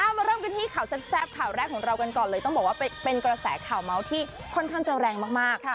มาเริ่มกันที่ข่าวแซ่บข่าวแรกของเรากันก่อนเลยต้องบอกว่าเป็นกระแสข่าวเมาส์ที่ค่อนข้างจะแรงมาก